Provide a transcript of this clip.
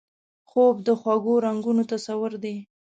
خوب د خوږو رنګونو تصور دی